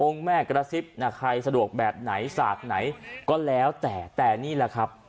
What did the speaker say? แม่กระซิบนะใครสะดวกแบบไหนสากไหนก็แล้วแต่แต่นี่แหละครับ